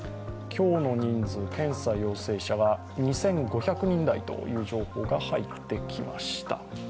今日の人数、検査陽性者が２５００人台という情報が入ってきました。